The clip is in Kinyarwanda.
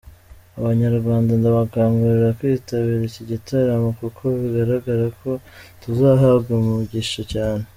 Abanyarwanda ndabakangurira kwitabira iki gitaramo kuko bigaragara ko tuzahabwa imigisha cyane.